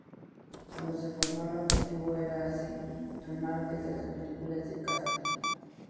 Cuando se formó, el objetivo era hacer remakes de las películas de Castle.